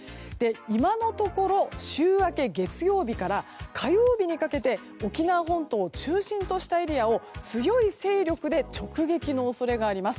今のところ、週明け月曜日から火曜日にかけて沖縄本島を中心としたエリアを強い勢力で直撃の恐れがあります。